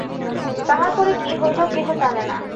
তাহার পরে কী হইল কেহ জানে না।